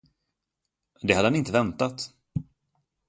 Det hade han inte väntat.